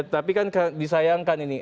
tapi kan disayangkan ini